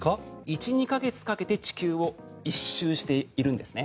１２か月かけて地球を１周しているんですね。